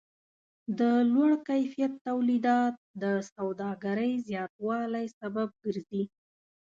د لوړ کیفیت تولیدات د سوداګرۍ زیاتوالی سبب ګرځي.